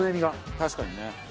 確かにね。